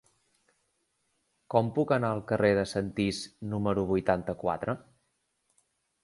Com puc anar al carrer de Sentís número vuitanta-quatre?